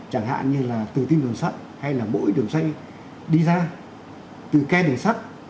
chẳng hạn như là từ tim đường sắt hay là mỗi đường xanh đi ra từ khe đường sắt